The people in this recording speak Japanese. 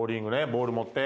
ボール持って。